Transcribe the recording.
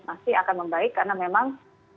masih akan membaik karena memang